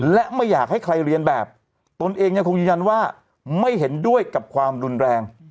และไม่อยากให้ใครเรียนแบบตนเองยังคงยืนยันว่าไม่เห็นด้วยกับความรุนแรง